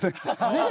ねっ？